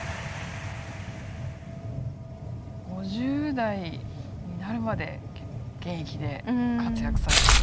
５０代になるまで現役で活躍されたっていう。